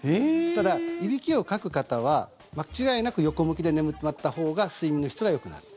ただ、いびきをかく方は間違いなく横向きで眠ってもらったほうが睡眠の質がよくなる。